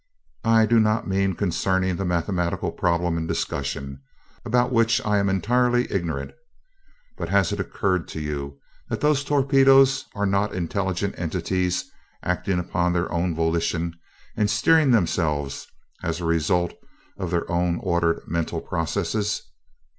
I do not mean concerning the mathematical problem in discussion, about which I am entirely ignorant. But has it occurred to you that those torpedoes are not intelligent entities, acting upon their own volition and steering themselves as a result of their own ordered mental processes?